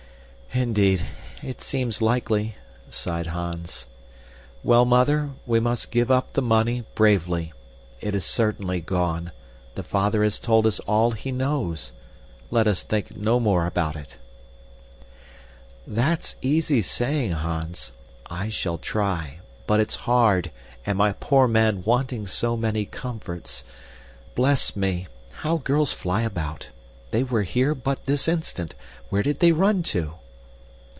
"Indeed, it seems likely," sighed Hans. "Well, Mother, we must give up the money bravely. It is certainly gone. The father has told us all he knows. Let us think no more about it." "That's easy saying, Hans. I shall try, but it's hard and my poor man wanting so many comforts. Bless me! How girls fly about! They were here but this instant. Where did they run to?"